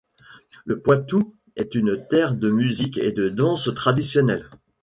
Le Poitou est une terre de musiques et de danses traditionnelles.